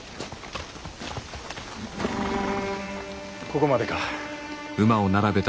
ここまでか。